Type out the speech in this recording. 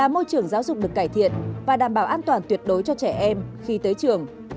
môi trường giáo dục được cải thiện và đảm bảo an toàn tuyệt đối cho trẻ em khi tới trường